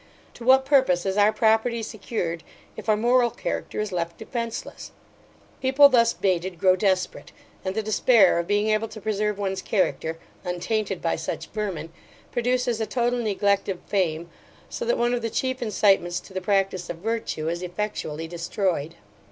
To what purpose is our property secured, if our moral character is left defenceless? People thus baited, grow desperate; and the despair of being able to preserve one's character, untainted by such vermin, produces a total neglect of fame; so that one of the chief incitements to the practice of virtue is effectually destroyed.